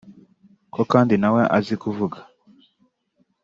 ko kandi nawe azi kuvuga